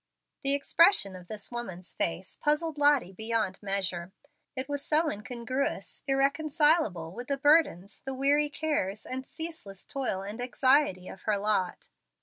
The expression of this woman's face puzzled Lottie beyond measure. It was so incongruous, irreconcilable with the burdens, the weary cares, and ceaseless toil and anxiety of her lot.